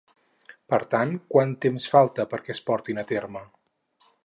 Per tant, quant temps falta perquè es portin a terme?